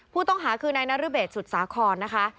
ผู้ต้องหาคือในนริเบศสุษาคลนะคะ